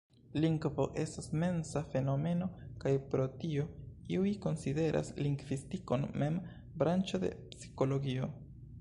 Lingvo estas mensa fenomeno, kaj pro tio iuj konsideras lingvistikon mem branĉo de psikologio.